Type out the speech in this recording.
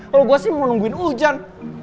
kalau gue sih mau nungguin hujan